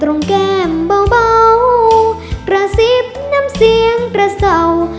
แก้มเบากระซิบน้ำเสียงกระเศร้า